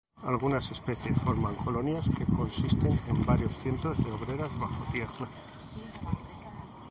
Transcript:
Algunas especies forman colonias que consisten en varios cientos de obreras bajo tierra.